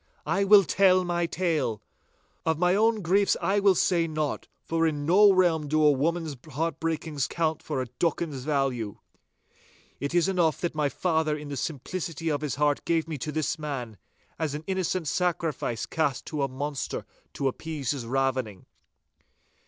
'I will tell my tale. Of my own griefs I will say naught, for in no realm do a woman's heart breakings count for a docken's value. It is enough that my father in the simplicity of his heart gave me to this man, as an innocent sacrifice is cast to a monster to appease his ravening.